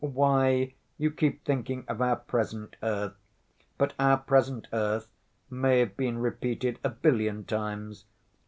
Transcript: "Why, you keep thinking of our present earth! But our present earth may have been repeated a billion times.